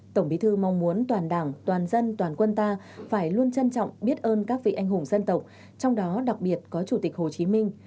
tổng bí thư mong muốn toàn đảng toàn dân toàn quân ta phải luôn trân trọng biết ơn các vị anh hùng dân tộc trong đó đặc biệt có chủ tịch hồ chí minh